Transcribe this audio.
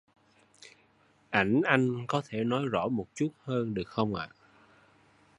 Ảnh anh có thể nói rõ một chút hơn được không ạ